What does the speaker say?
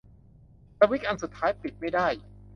สวิตซ์อันสุดท้ายปิดไม่ได้